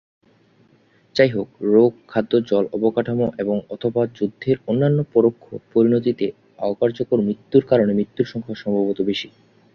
যাইহোক, "রোগ, খাদ্য, জল, অবকাঠামো, এবং/অথবা যুদ্ধের অন্যান্য পরোক্ষ পরিণতিতে অকার্যকর মৃত্যুর কারণে মৃত্যুর সংখ্যা সম্ভবত বেশি।"